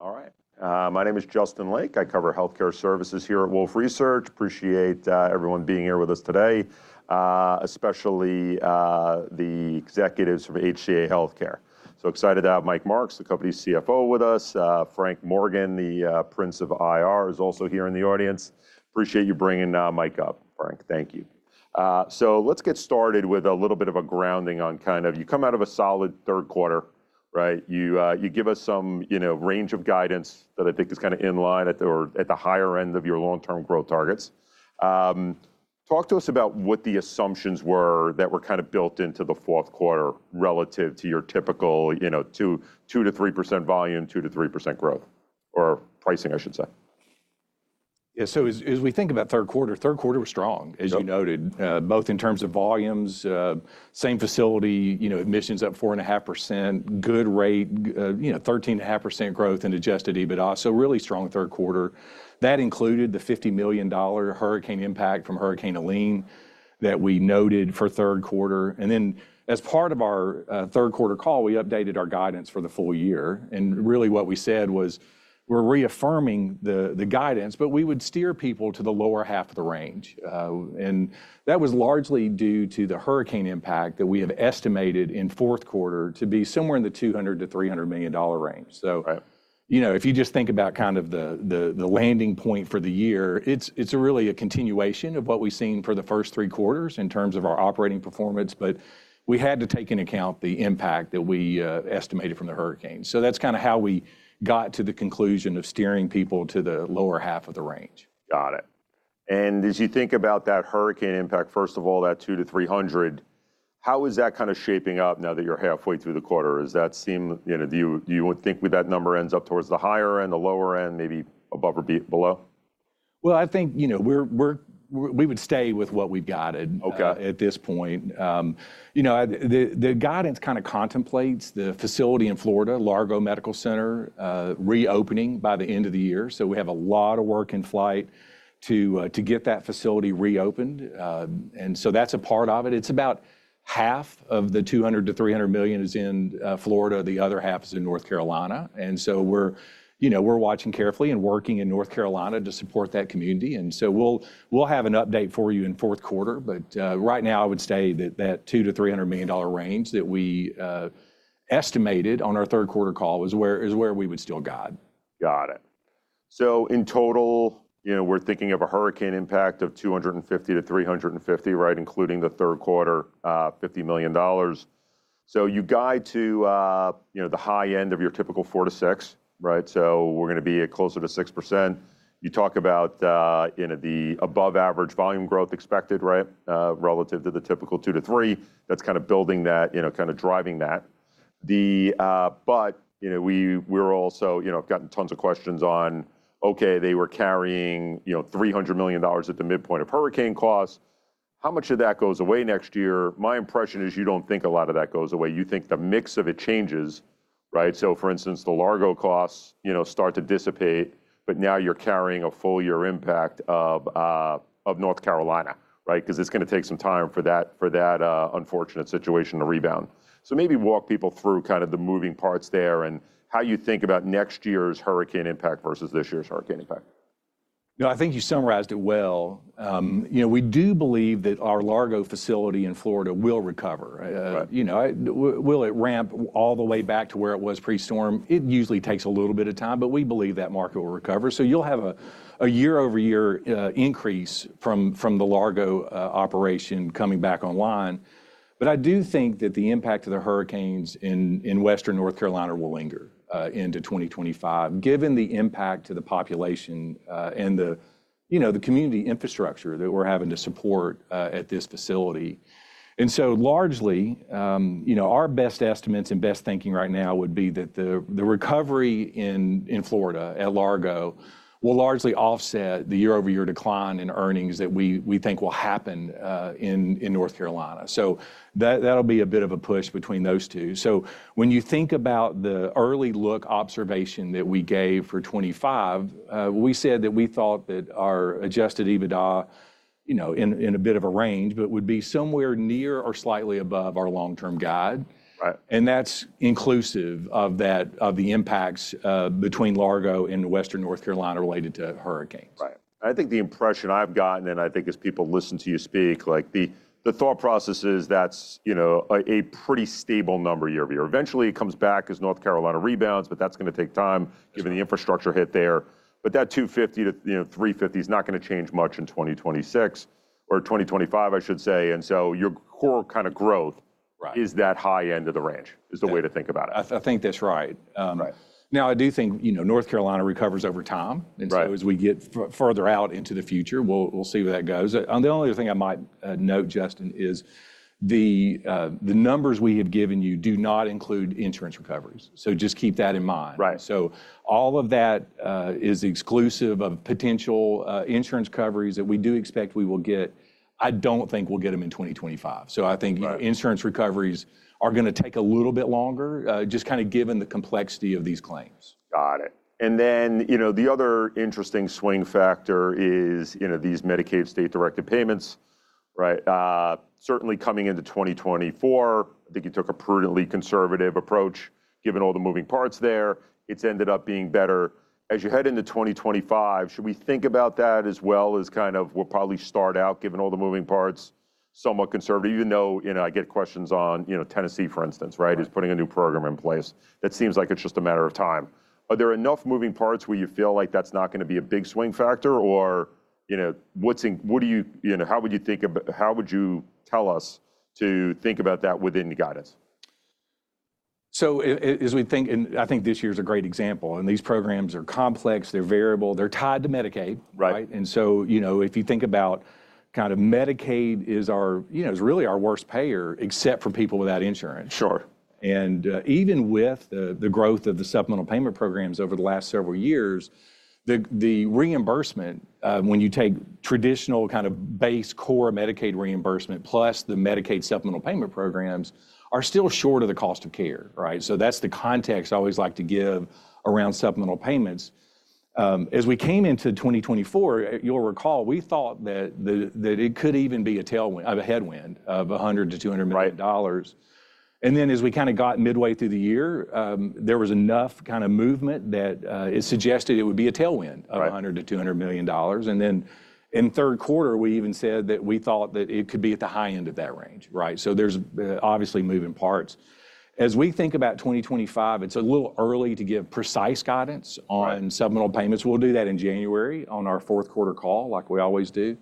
All right. My name is Justin Lake. I cover healthcare services here at Wolfe Research. Appreciate everyone being here with us today, especially the executives from HCA Healthcare. So excited to have Mike Marks, the company's CFO, with us. Frank Morgan, the Prince of IR, is also here in the audience. Appreciate you bringing Mike up, Frank. Thank you. So let's get started with a little bit of a grounding on kind of you come out of a solid third quarter, right? You give us some range of guidance that I think is kind of in line at the higher end of your long-term growth targets. Talk to us about what the assumptions were that were kind of built into the Q4 relative to your typical 2-3% volume, 2-3% growth, or pricing, I should say? Yeah. So as we think about Q3, third quarter was strong, as you noted, both in terms of volumes, same-facility admissions up 4.5%, good rate, 13.5% growth in Adjusted EBITDA, so really strong third. That included the $50 million hurricane impact from Hurricane Helene that we noted for third quarter. And then as part of our third quarter call, we updated our guidance for the full year. And really what we said was we're reaffirming the guidance, but we would steer people to the lower half of the range. And that was largely due to the hurricane impact that we have estimated in fourth quarter to be somewhere in the $200-$300 million range. So if you just think about kind of the landing point for the year, it's really a continuation of what we've seen for the first three quarters in terms of our operating performance, but we had to take into account the impact that we estimated from the hurricane. So that's kind of how we got to the conclusion of steering people to the lower half of the range. Got it. And as you think about that hurricane impact, first of all, that 200-300, how is that kind of shaping up now that you're halfway through the quarter? Do you think that number ends up towards the higher end, the lower end, maybe above or below? I think we would stay with what we've got at this point. The guidance kind of contemplates the facility in Florida, Largo Medical Center, reopening by the end of the year. We have a lot of work in flight to get that facility reopened. That's a part of it. It's about half of the $200-$300 million is in Florida. The other half is in North Carolina. We're watching carefully and working in North Carolina to support that community. We'll have an update for you in fourth quarter. Right now, I would say that that $200-$300 million range that we estimated on our third quarter call is where we would still guide. Got it. So in total, we're thinking of a hurricane impact of $250-$350, right, including the third quarter, $50 million. So you guide to the high end of your typical 4%-6%, right? So we're going to be closer to 6%. You talk about the above-average volume growth expected, right, relative to the typical 2%-3%. That's kind of building that, kind of driving that. But we've also gotten tons of questions on, okay, they were carrying $300 million at the midpoint of hurricane costs. How much of that goes away next year? My impression is you don't think a lot of that goes away. You think the mix of it changes, right? So for instance, the Largo costs start to dissipate, but now you're carrying a full year impact of North Carolina, right? Because it's going to take some time for that unfortunate situation to rebound. So maybe walk people through kind of the moving parts there and how you think about next year's hurricane impact versus this year's hurricane impact. No, I think you summarized it well. We do believe that our Largo facility in Florida will recover. Will it ramp all the way back to where it was pre-storm? It usually takes a little bit of time, but we believe that market will recover. So you'll have a year-over-year increase from the Largo operation coming back online. But I do think that the impact of the hurricanes in western North Carolina will linger into 2025, given the impact to the population and the community infrastructure that we're having to support at this facility. And so largely, our best estimates and best thinking right now would be that the recovery in Florida at Largo will largely offset the year-over-year decline in earnings that we think will happen in North Carolina. So that'll be a bit of a push between those two. When you think about the early look observation that we gave for 2025, we said that we thought that our Adjusted EBITDA in a bit of a range, but would be somewhere near or slightly above our long-term guide. That's inclusive of the impacts between Largo and western North Carolina related to hurricanes. Right. I think the impression I've gotten, and I think as people listen to you speak, the thought process is that's a pretty stable number year over year. Eventually, it comes back as North Carolina rebounds, but that's going to take time given the infrastructure hit there. But that $250-$350 is not going to change much in 2026 or 2025, I should say. And so your core kind of growth is that high end of the range is the way to think about it. I think that's right. Now, I do think North Carolina recovers over time, and so as we get further out into the future, we'll see where that goes. The only other thing I might note, Justin, is the numbers we have given you do not include insurance recoveries. So just keep that in mind. So all of that is exclusive of potential insurance recoveries that we do expect we will get. I don't think we'll get them in 2025. So I think insurance recoveries are going to take a little bit longer, just kind of given the complexity of these claims. Got it. And then the other interesting swing factor is these Medicaid state-directed payments, right? Certainly coming into 2024, I think you took a prudently conservative approach given all the moving parts there. It's ended up being better. As you head into 2025, should we think about that as well as kind of we'll probably start out given all the moving parts somewhat conservative, even though I get questions on Tennessee, for instance, right, is putting a new program in place. That seems like it's just a matter of time. Are there enough moving parts where you feel like that's not going to be a big swing factor? Or how would you think about how would you tell us to think about that within the guidance? So as we think, and I think this year is a great example, and these programs are complex, they're variable, they're tied to Medicaid, right? And so if you think about kind of Medicaid is really our worst payer, except for people without insurance. And even with the growth of the supplemental payment programs over the last several years, the reimbursement, when you take traditional kind of base core Medicaid reimbursement plus the Medicaid supplemental payment programs, are still short of the cost of care, right? So that's the context I always like to give around supplemental payments. As we came into 2024, you'll recall we thought that it could even be a tailwind, a headwind of $100-$200 million. And then as we kind of got midway through the year, there was enough kind of movement that it suggested it would be a tailwind of $100-$200 million. And then in third quarter, we even said that we thought that it could be at the high end of that range, right? So there's obviously moving parts. As we think about 2025, it's a little early to give precise guidance on supplemental payments. We'll do that in January on our fourth quarter call, like we always do.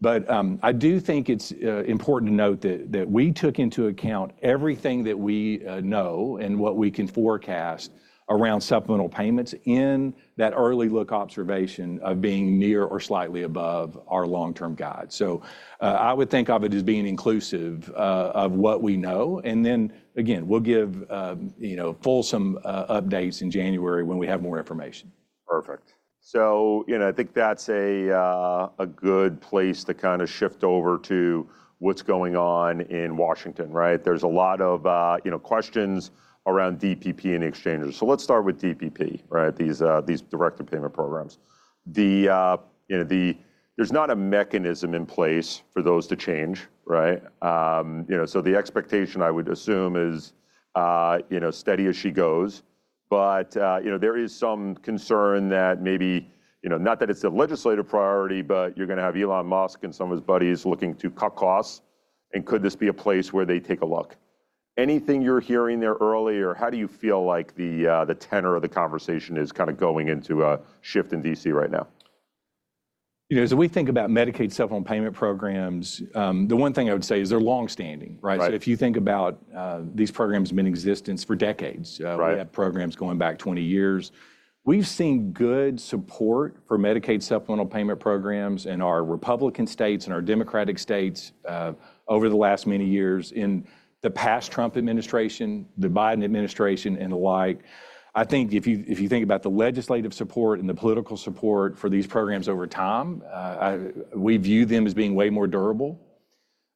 But I do think it's important to note that we took into account everything that we know and what we can forecast around supplemental payments in that early look observation of being near or slightly above our long-term guide. So I would think of it as being inclusive of what we know. We'll give fuller updates in January when we have more information. Perfect. So I think that's a good place to kind of shift over to what's going on in Washington, right? There's a lot of questions around DPP and exchanges. So let's start with DPP, right? These direct payment programs. There's not a mechanism in place for those to change, right? So the expectation I would assume is steady as she goes. But there is some concern that maybe not that it's a legislative priority, but you're going to have Elon Musk and some of his buddies looking to cut costs. And could this be a place where they take a look? Anything you're hearing there? Earlier, how do you feel like the tenor of the conversation is kind of going into a shift in DC right now? As we think about Medicaid supplemental payment programs, the one thing I would say is they're longstanding, right? So if you think about these programs have been in existence for decades, we have programs going back 20 years. We've seen good support for Medicaid supplemental payment programs in our Republican states and our Democratic states over the last many years in the past Trump administration, the Biden administration, and the like. I think if you think about the legislative support and the political support for these programs over time, we view them as being way more durable.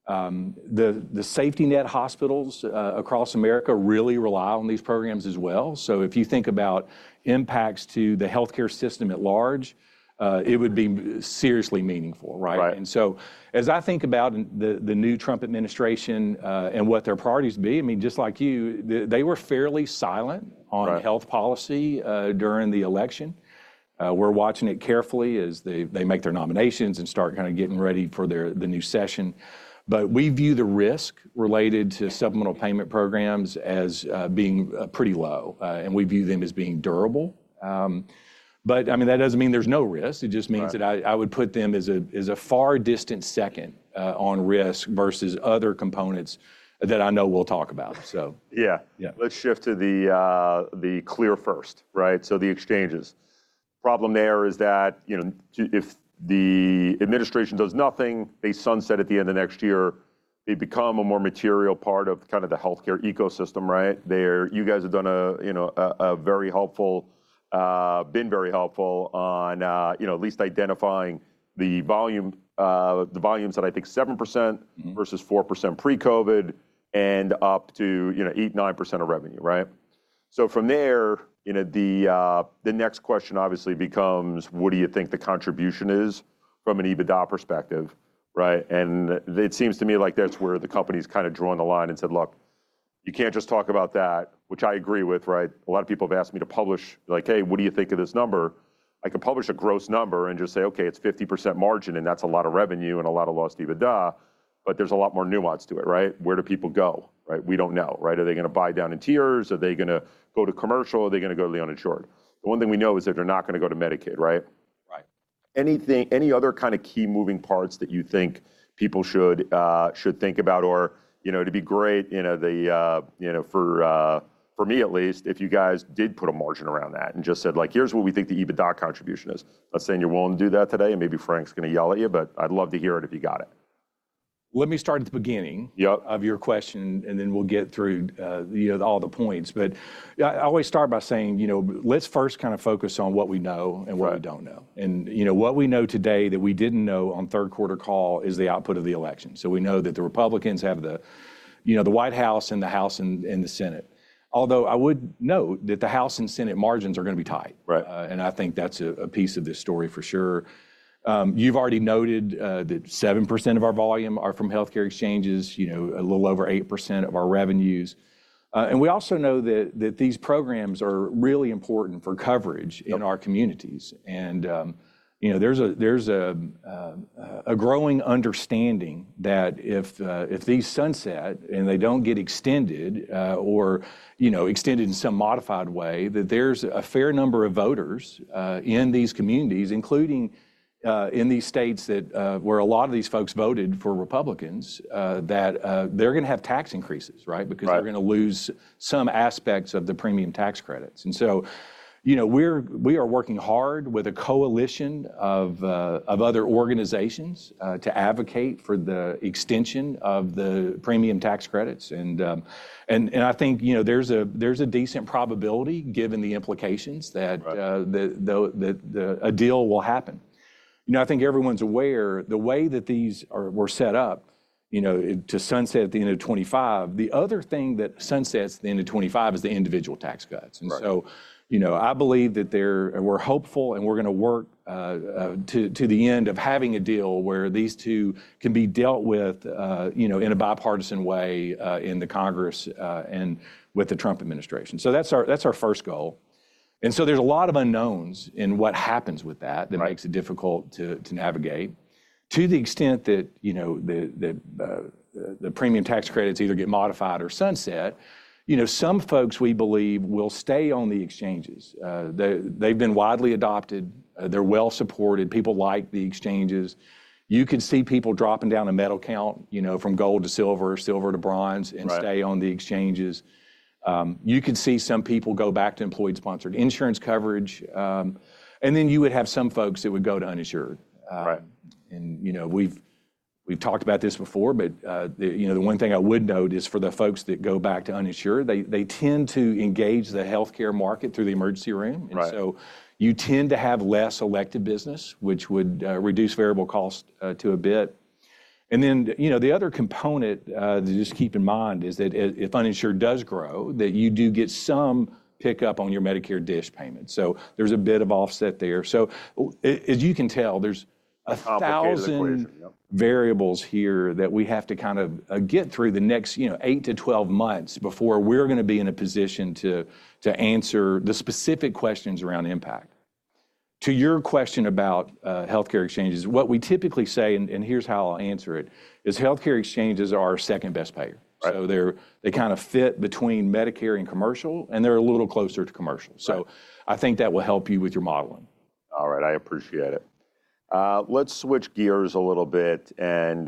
The safety net hospitals across America really rely on these programs as well. So if you think about impacts to the healthcare system at large, it would be seriously meaningful, right? And so as I think about the new Trump administration and what their priorities would be, I mean, just like you, they were fairly silent on health policy during the election. We're watching it carefully as they make their nominations and start kind of getting ready for the new session. But we view the risk related to supplemental payment programs as being pretty low. And we view them as being durable. But I mean, that doesn't mean there's no risk. It just means that I would put them as a far distant second on risk versus other components that I know we'll talk about. Yeah. Let's shift to the clear first, right? So the exchanges. Problem there is that if the administration does nothing, they sunset at the end of next year, they become a more material part of kind of the healthcare ecosystem, right? You guys have been very helpful on at least identifying the volumes that I think 7% versus 4% pre-COVID and up to 8%-9% of revenue, right? So from there, the next question obviously becomes, what do you think the contribution is from an EBITDA perspective, right? And it seems to me like that's where the company's kind of drawn the line and said, look, you can't just talk about that, which I agree with, right? A lot of people have asked me to publish, like, hey, what do you think of this number? I can publish a gross number and just say, okay, it's 50% margin and that's a lot of revenue and a lot of lost EBITDA, but there's a lot more nuance to it, right? Where do people go? We don't know, right? Are they going to buy down in tiers? Are they going to go to commercial? Are they going to go to the uninsured? The one thing we know is that they're not going to go to Medicaid, right? Any other kind of key moving parts that you think people should think about or it'd be great for me at least if you guys did put a margin around that and just said, like, here's what we think the EBITDA contribution is. Let's say you won't do that today and maybe Frank's going to yell at you, but I'd love to hear it if you got it. Let me start at the beginning of your question and then we'll get through all the points. But I always start by saying, let's first kind of focus on what we know and what we don't know. And what we know today that we didn't know on third quarter call is the output of the election. So we know that the Republicans have the White House and the House and the Senate. Although I would note that the House and Senate margins are going to be tight. And I think that's a piece of this story for sure. You've already noted that 7% of our volume are from healthcare exchanges, a little over 8% of our revenues. And we also know that these programs are really important for coverage in our communities. There's a growing understanding that if these sunset and they don't get extended or extended in some modified way, that there's a fair number of voters in these communities, including in these states where a lot of these folks voted for Republicans, that they're going to have tax increases, right? Because they're going to lose some aspects of the premium tax credits. We are working hard with a coalition of other organizations to advocate for the extension of the premium tax credits. I think there's a decent probability given the implications that a deal will happen. I think everyone's aware the way that these were set up to sunset at the end of 2025. The other thing that sunsets at the end of 2025 is the individual tax cuts. I believe that we're hopeful and we're going to work to the end of having a deal where these two can be dealt with in a bipartisan way in the Congress and with the Trump administration. That's our first goal. There's a lot of unknowns in what happens with that that makes it difficult to navigate. To the extent that the premium tax credits either get modified or sunset, some folks we believe will stay on the exchanges. They've been widely adopted. They're well supported. People like the exchanges. You can see people dropping down a metal count from gold to silver, silver to bronze and stay on the exchanges. You can see some people go back to employer-sponsored insurance coverage. And then you would have some folks that would go to uninsured. We've talked about this before, but the one thing I would note is for the folks that go back to uninsured, they tend to engage the healthcare market through the emergency room. And so you tend to have less elective business, which would reduce variable cost to a bit. And then the other component to just keep in mind is that if uninsured does grow, that you do get some pickup on your Medicare DSH payments. So there's a bit of offset there. So as you can tell, there's a thousand variables here that we have to kind of get through the next 8-12 months before we're going to be in a position to answer the specific questions around impact. To your question about healthcare exchanges, what we typically say, and here's how I'll answer it, is healthcare exchanges are our second best payer. So they kind of fit between Medicare and commercial, and they're a little closer to commercial. So I think that will help you with your modeling. All right. I appreciate it. Let's switch gears a little bit and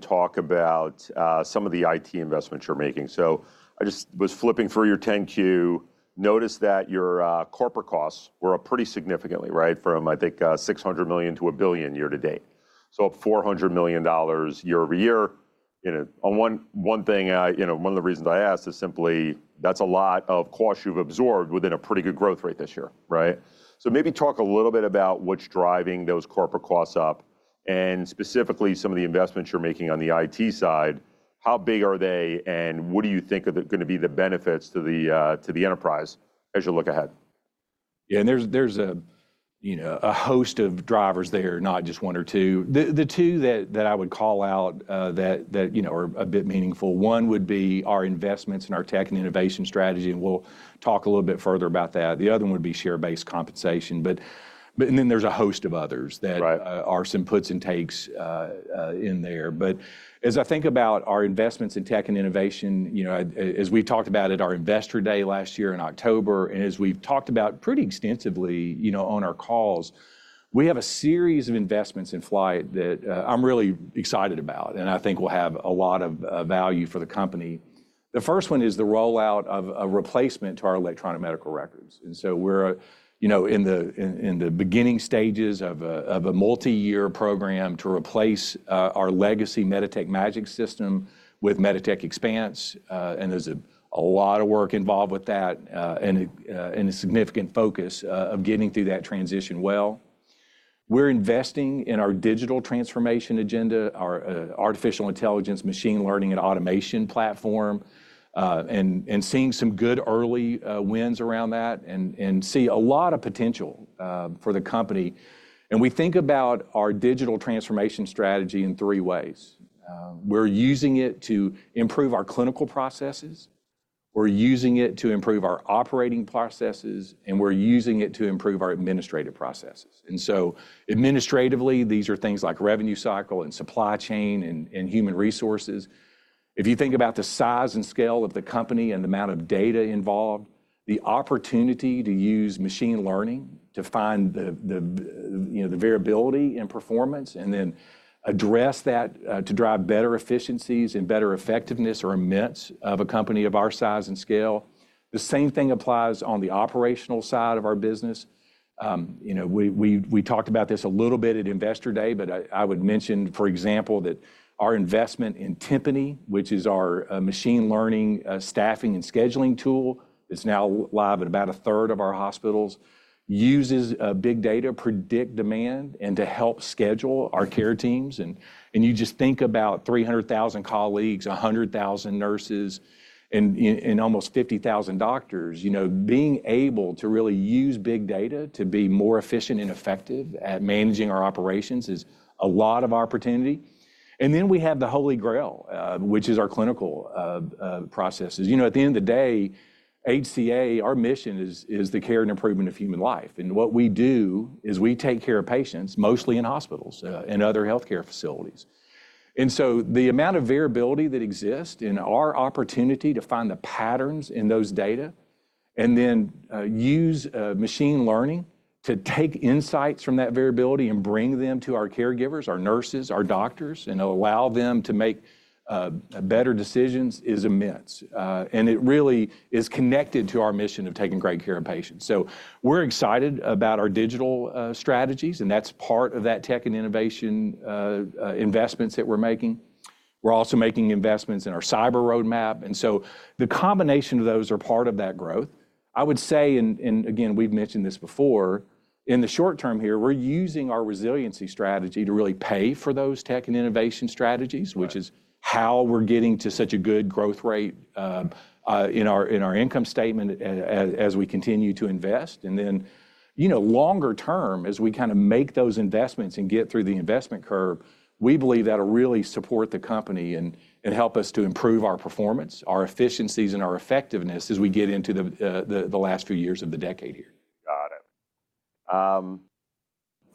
talk about some of the IT investments you're making. So I just was flipping through your 10-Q. Noticed that your corporate costs were up pretty significantly, right? From, I think, $600 million to $1 billion year to date. So up $400 million year over year. One thing, one of the reasons I asked is simply that's a lot of costs you've absorbed within a pretty good growth rate this year, right? So maybe talk a little bit about what's driving those corporate costs up and specifically some of the investments you're making on the IT side. How big are they and what do you think are going to be the benefits to the enterprise as you look ahead? Yeah, and there's a host of drivers there, not just one or two. The two that I would call out that are a bit meaningful, one would be our investments in our tech and innovation strategy, and we'll talk a little bit further about that. The other one would be share-based compensation. And then there's a host of others that are some puts and takes in there. But as I think about our investments in tech and innovation, as we talked about at our investor day last year in October, and as we've talked about pretty extensively on our calls, we have a series of investments in flight that I'm really excited about and I think will have a lot of value for the company. The first one is the rollout of a replacement to our electronic medical records. And so we're in the beginning stages of a multi-year program to replace our legacy Meditech Magic system with Meditech Expanse. And there's a lot of work involved with that and a significant focus of getting through that transition well. We're investing in our digital transformation agenda, our artificial intelligence, machine learning, and automation platform, and seeing some good early wins around that and see a lot of potential for the company. And we think about our digital transformation strategy in three ways. We're using it to improve our clinical processes. We're using it to improve our operating processes, and we're using it to improve our administrative processes. And so administratively, these are things like revenue cycle and supply chain and human resources. If you think about the size and scale of the company and the amount of data involved, the opportunity to use machine learning to find the variability and performance and then address that to drive better efficiencies and better effectiveness, or a mess of a company of our size and scale. The same thing applies on the operational side of our business. We talked about this a little bit at investor day, but I would mention, for example, that our investment in Timpanogos, which is our machine learning staffing and scheduling tool, it's now live at about a third of our hospitals, uses big data to predict demand and to help schedule our care teams, and you just think about 300,000 colleagues, 100,000 nurses, and almost 50,000 doctors. Being able to really use big data to be more efficient and effective at managing our operations is a lot of opportunity. And then we have the Holy Grail, which is our clinical processes. At the end of the day, HCA, our mission is the care and improvement of human life. And what we do is we take care of patients mostly in hospitals and other healthcare facilities. And so the amount of variability that exists and our opportunity to find the patterns in those data and then use machine learning to take insights from that variability and bring them to our caregivers, our nurses, our doctors, and allow them to make better decisions is immense. And it really is connected to our mission of taking great care of patients. So we're excited about our digital strategies, and that's part of that tech and innovation investments that we're making. We're also making investments in our cyber roadmap. And so the combination of those are part of that growth. I would say, and again, we've mentioned this before, in the short term here, we're using our resiliency strategy to really pay for those tech and innovation strategies, which is how we're getting to such a good growth rate in our income statement as we continue to invest, and then longer term, as we kind of make those investments and get through the investment curve, we believe that'll really support the company and help us to improve our performance, our efficiencies, and our effectiveness as we get into the last few years of the decade here. Got it.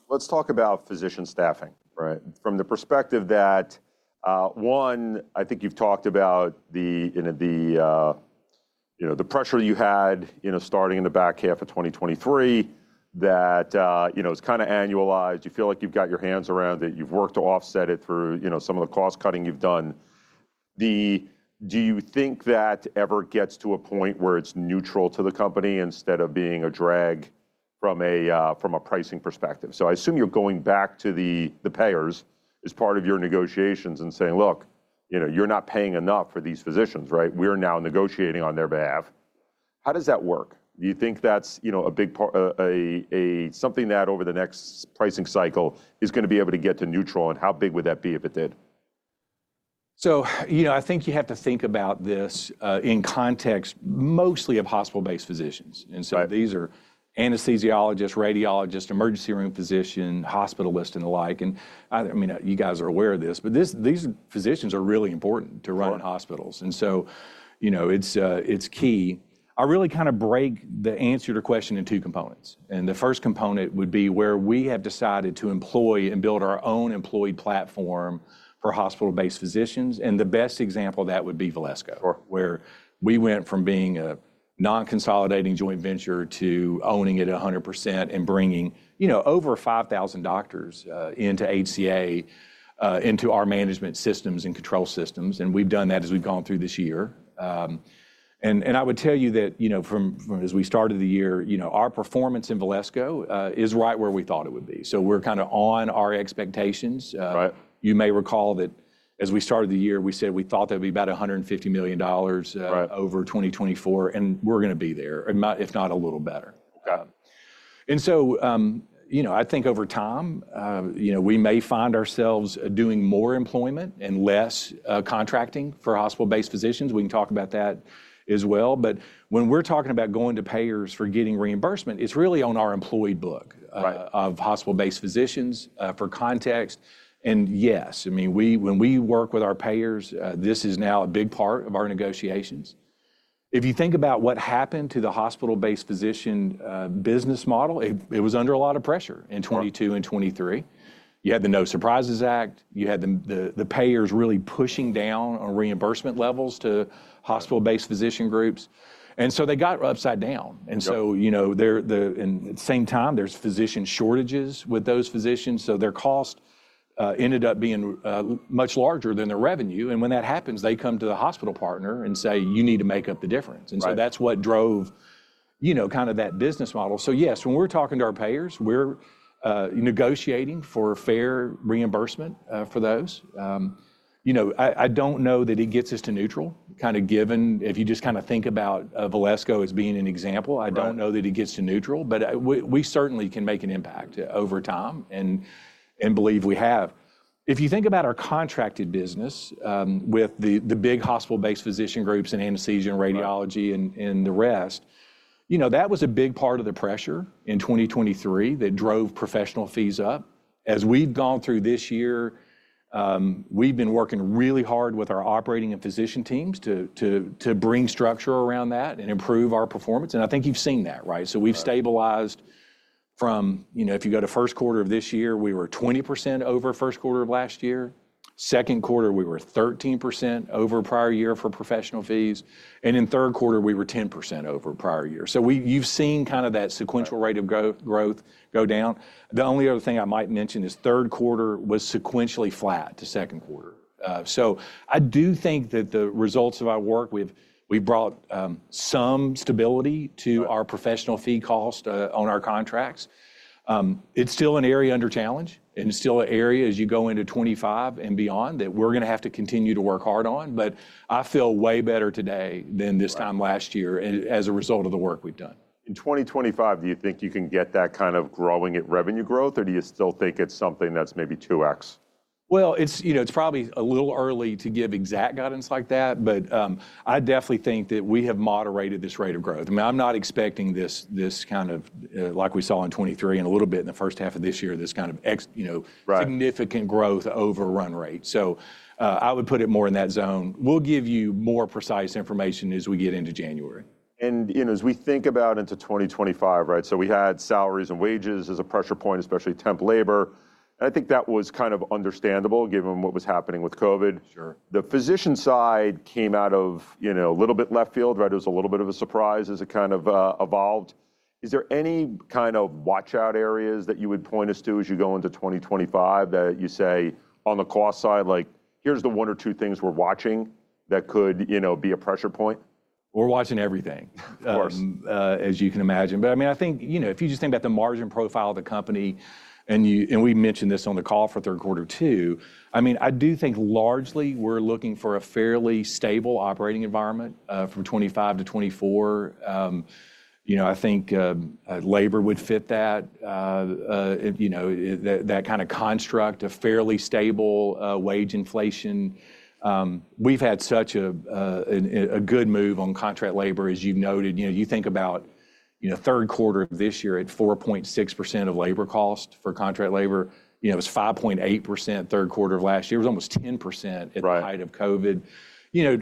Let's talk about physician staffing, right? From the perspective that, one, I think you've talked about the pressure you had starting in the back half of 2023 that it's kind of annualized. You feel like you've got your hands around it. You've worked to offset it through some of the cost cutting you've done. Do you think that ever gets to a point where it's neutral to the company instead of being a drag from a pricing perspective? So I assume you're going back to the payers as part of your negotiations and saying, look, you're not paying enough for these physicians, right? We're now negotiating on their behalf. How does that work? Do you think that's a big part, something that over the next pricing cycle is going to be able to get to neutral, and how big would that be if it did? I think you have to think about this in context mostly of hospital-based physicians. These are anesthesiologists, radiologists, emergency room physicians, hospitalists, and the like. I mean, you guys are aware of this, but these physicians are really important to run hospitals. It's key. I really kind of break the answer to question in two components. The first component would be where we have decided to employ and build our own employee platform for hospital-based physicians. The best example of that would be Valesco, where we went from being a non-consolidating joint venture to owning it 100% and bringing over 5,000 doctors into HCA, into our management systems and control systems. We've done that as we've gone through this year. And I would tell you that as we started the year, our performance in Valesco is right where we thought it would be. So we're kind of on our expectations. You may recall that as we started the year, we said we thought there'd be about $150 million over 2024, and we're going to be there, if not a little better. And so I think over time, we may find ourselves doing more employment and less contracting for hospital-based physicians. We can talk about that as well. But when we're talking about going to payers for getting reimbursement, it's really on our employee book of hospital-based physicians for context. And yes, I mean, when we work with our payers, this is now a big part of our negotiations. If you think about what happened to the hospital-based physician business model, it was under a lot of pressure in 2022 and 2023. You had the No Surprises Act. You had the payers really pushing down on reimbursement levels to hospital-based physician groups, and so they got upside down, and so at the same time, there's physician shortages with those physicians, so their cost ended up being much larger than their revenue, and when that happens, they come to the hospital partner and say, "You need to make up the difference," and so that's what drove kind of that business model, so yes, when we're talking to our payers, we're negotiating for fair reimbursement for those. I don't know that it gets us to neutral, kind of given if you just kind of think about Valesco as being an example. I don't know that it gets to neutral, but we certainly can make an impact over time and believe we have. If you think about our contracted business with the big hospital-based physician groups and anesthesia and radiology and the rest, that was a big part of the pressure in 2023 that drove professional fees up. As we've gone through this year, we've been working really hard with our operating and physician teams to bring structure around that and improve our performance. And I think you've seen that, right? So we've stabilized from, if you go to first quarter of this year, we were 20% over first quarter of last year. Second quarter, we were 13% over prior year for professional fees. And in third quarter, we were 10% over prior year. So you've seen kind of that sequential rate of growth go down. The only other thing I might mention is third quarter was sequentially flat to second quarter. So I do think that the results of our work. We've brought some stability to our professional fee cost on our contracts. It's still an area under challenge, and it's still an area as you go into 2025 and beyond that we're going to have to continue to work hard on, but I feel way better today than this time last year as a result of the work we've done. In 2025, do you think you can get that kind of growing revenue growth, or do you still think it's something that's maybe 2x? It's probably a little early to give exact guidance like that, but I definitely think that we have moderated this rate of growth. I mean, I'm not expecting this kind of, like we saw in 2023 and a little bit in the first half of this year, this kind of significant growth over run rate. I would put it more in that zone. We'll give you more precise information as we get into January. And as we think about into 2025, right? So we had salaries and wages as a pressure point, especially temp labor. And I think that was kind of understandable given what was happening with COVID. The physician side came out of a little bit left field, right? It was a little bit of a surprise as it kind of evolved. Is there any kind of watch-out areas that you would point us to as you go into 2025 that you say on the cost side, like, "Here's the one or two things we're watching that could be a pressure point"? We're watching everything, as you can imagine. But I mean, I think if you just think about the margin profile of the company, and we mentioned this on the call for third quarter too, I mean, I do think largely we're looking for a fairly stable operating environment from 2025 to 2024. I think labor would fit that, that kind of construct, a fairly stable wage inflation. We've had such a good move on contract labor, as you've noted. You think about third quarter of this year at 4.6% of labor cost for contract labor. It was 5.8% third quarter of last year. It was almost 10% at the height of COVID.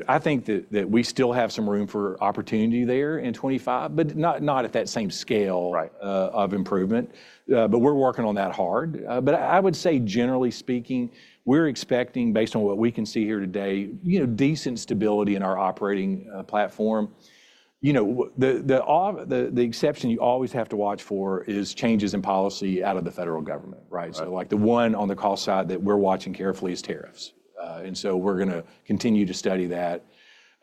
I think that we still have some room for opportunity there in 2025, but not at that same scale of improvement. But we're working on that hard. But I would say, generally speaking, we're expecting, based on what we can see here today, decent stability in our operating platform. The exception you always have to watch for is changes in policy out of the federal government, right? So like the one on the call side that we're watching carefully is tariffs. And so we're going to continue to study that.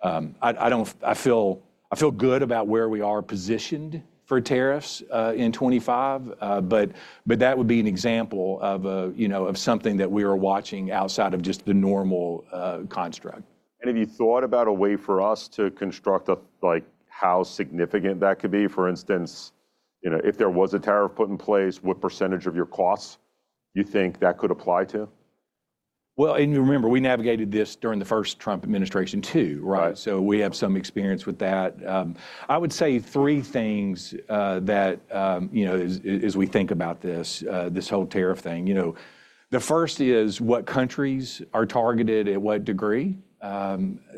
I feel good about where we are positioned for tariffs in 2025, but that would be an example of something that we are watching outside of just the normal construct. Have you thought about a way for us to construct how significant that could be? For instance, if there was a tariff put in place, what percentage of your costs you think that could apply to? Well, and remember, we navigated this during the first Trump administration too, right? So we have some experience with that. I would say three things that, as we think about this whole tariff thing. The first is what countries are targeted at what degree.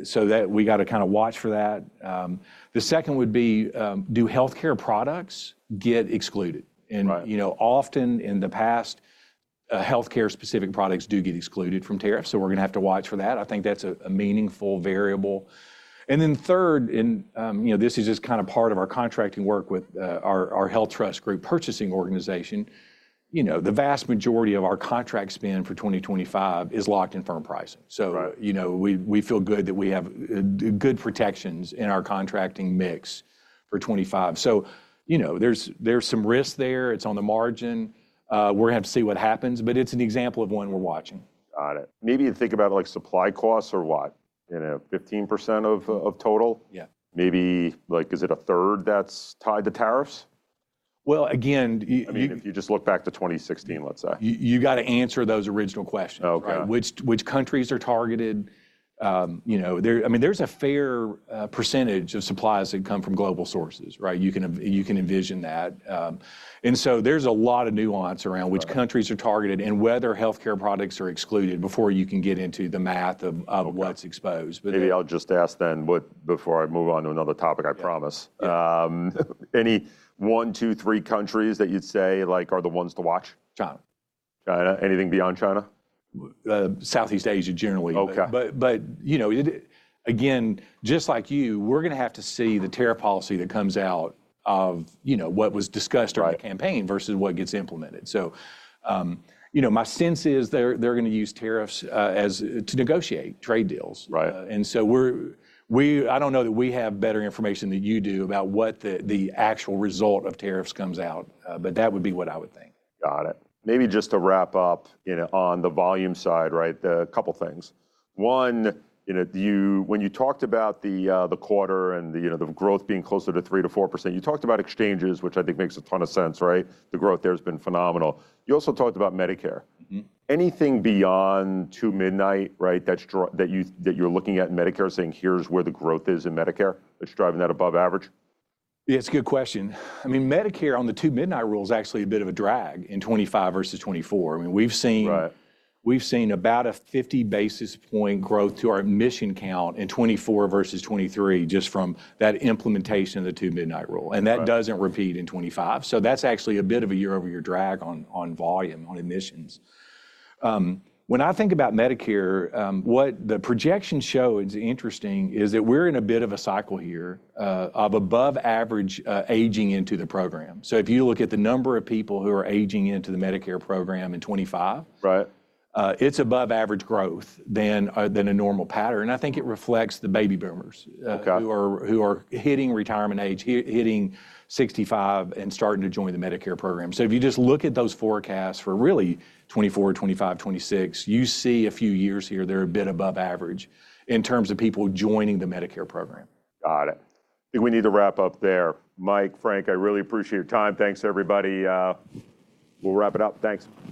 So we got to kind of watch for that. The second would be, do healthcare products get excluded? And often in the past, healthcare-specific products do get excluded from tariffs. So we're going to have to watch for that. I think that's a meaningful variable. And then third, and this is just kind of part of our contracting work with our HealthTrust group purchasing organization, the vast majority of our contract spend for 2025 is locked in firm pricing. So we feel good that we have good protections in our contracting mix for 2025. So there's some risk there. It's on the margin. We're going to have to see what happens, but it's an example of one we're watching. Got it. Maybe you think about supply costs or what? 15% of total? Yeah. Maybe is it a third that's tied to tariffs? Well, again. I mean, if you just look back to 2016, let's say. You got to answer those original questions, right? Which countries are targeted? I mean, there's a fair percentage of supplies that come from global sources, right? You can envision that, and so there's a lot of nuance around which countries are targeted and whether healthcare products are excluded before you can get into the math of what's exposed. Maybe I'll just ask then before I move on to another topic, I promise. Any one, two, three countries that you'd say are the ones to watch? China. China? Anything beyond China? Southeast Asia generally. But again, just like you, we're going to have to see the tariff policy that comes out of what was discussed during the campaign versus what gets implemented. So my sense is they're going to use tariffs to negotiate trade deals. And so I don't know that we have better information than you do about what the actual result of tariffs comes out, but that would be what I would think. Got it. Maybe just to wrap up on the volume side, right? A couple of things. One, when you talked about the quarter and the growth being closer to 3%-4%, you talked about exchanges, which I think makes a ton of sense, right? The growth there has been phenomenal. You also talked about Medicare. Anything beyond two midnight, right, that you're looking at in Medicare saying, "Here's where the growth is in Medicare," that's driving that above average? Yeah, it's a good question. I mean, Medicare on the Two-Midnight Rule is actually a bit of a drag in 2025 versus 2024. I mean, we've seen about a 50 basis points growth to our admission count in 2024 versus 2023 just from that implementation of the Two-Midnight Rule. And that doesn't repeat in 2025. So that's actually a bit of a year-over-year drag on volume, on admissions. When I think about Medicare, what the projection showed is interesting is that we're in a bit of a cycle here of above average aging into the program. So if you look at the number of people who are aging into the Medicare program in 2025, it's above average growth than a normal pattern. And I think it reflects the baby boomers who are hitting retirement age, hitting 65 and starting to join the Medicare program. If you just look at those forecasts for really 2024, 2025, 2026, you see a few years here they're a bit above average in terms of people joining the Medicare program. Got it. I think we need to wrap up there. Mike, Frank, I really appreciate your time. Thanks, everybody. We'll wrap it up. Thanks.